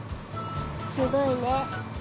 すごいね。